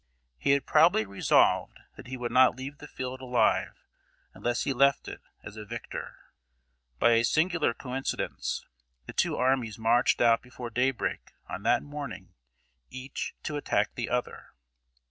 He had probably resolved that he would not leave the field alive unless he left it as a victor. By a singular coincidence, the two armies marched out before daybreak on that morning each to attack the other.